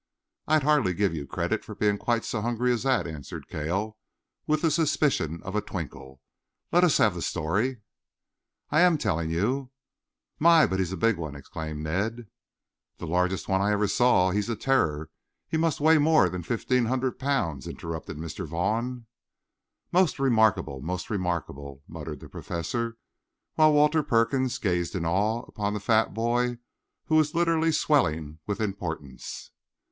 "I'd hardly give you credit for being quite so hungry as that," answered Cale with the suspicion of a twinkle. "Let us have the story." "I am telling you " "My, but he is a big one!" exclaimed Ned. "The largest one I ever saw. He is a terror. He must weigh more than fifteen hundred pounds," interrupted Mr. Vaughn. "Most remarkable, most remarkable!" muttered the Professor, while Walter Perkins gazed in awe upon the fat boy, who was literally swelling with importance.